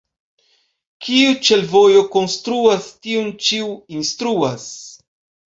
Kiu ĉe l' vojo konstruas, tiun ĉiu instruas.